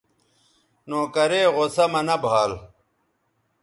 نوکرے غصہ مہ نہ بھال